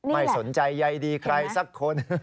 ไม่สนใจใยดีใครสักคน